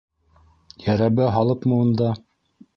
Йәрәбә һалыпмы унда...